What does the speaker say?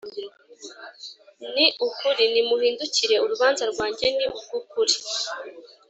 ni ukuri nimuhindukire, urubanza rwanjye ni urw’ukuri